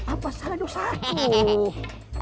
apa salah dosaku